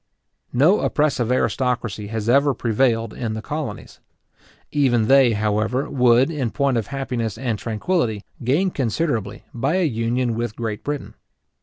No oppressive aristocracy has ever prevailed in the colonies. Even they, however, would, in point of happiness and tranquillity, gain considerably by a union with Great Britain.